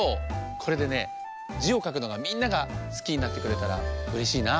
これでね「じ」をかくのがみんながすきになってくれたらうれしいな。